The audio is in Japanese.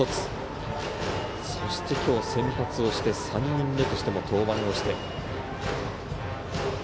そして今日、先発をして３人目としても登板をして。